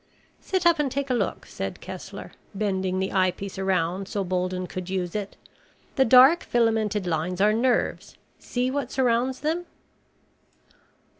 "Sit up and take a look," said Kessler, bending the eyepiece around so Bolden could use it. "The dark filamented lines are nerves. See what surrounds them?"